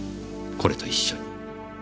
これと一緒に。